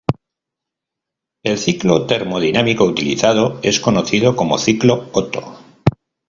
El ciclo termodinámico utilizado es conocido como Ciclo Otto.